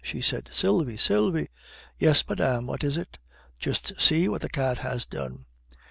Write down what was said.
she said. "Sylvie! Sylvie!" "Yes, madame; what is it?" "Just see what the cat has done!"